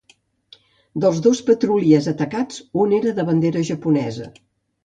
Dels dos petroliers atacats, un era de bandera japonesa.